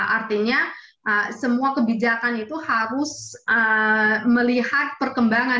artinya semua kebijakan itu harus melihat perkembangan